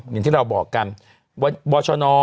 อย่างที่เราบอกกันวัตเบิร์ชน